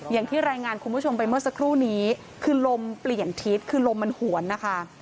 อย่างที่รายงานคุณผู้ชมไปเมื่อสักครู่นี้คือลมเปลี่ยนทิศคือลมมันหวนนะคะ